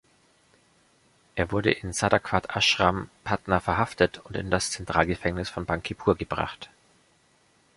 Er wurde in Sadaqat Ashram, Patna verhaftet und in das Zentralgefängnis von Bankipur gebracht.